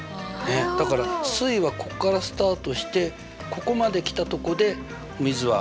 だから水位はここからスタートしてここまで来たとこで水はあふれていく。